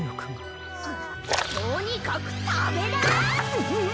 とにかくたべな！